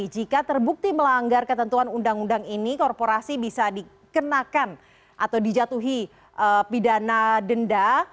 jadi jika terbukti melanggar ketentuan undang undang ini korporasi bisa dikenakan atau dijatuhi pidana denda